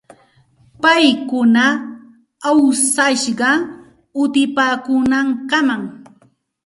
Paykuna awsashqa utipaakuunankamam.